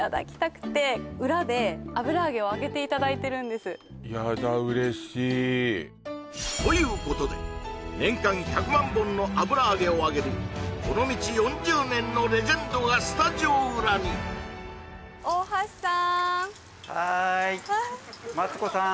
油揚げをということで年間１００万本の油揚げを揚げるこの道４０年のレジェンドがスタジオ裏に大橋さーんはいマツコさーん